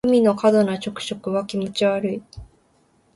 グミの過度な着色は気持ち悪い